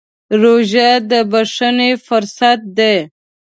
روژه د بښنې فرصت دی.